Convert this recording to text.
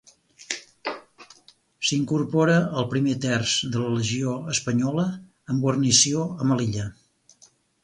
S'incorpora al Primer Terç de la Legió Espanyola amb guarnició a Melilla.